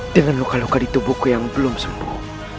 dengan luka luka di tubuhku yang belum sembuh